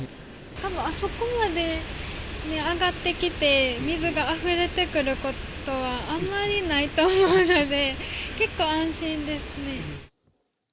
たぶんあそこまで上がってきて、水があふれてくることはあんまりないと思うので、結構、安心ですね。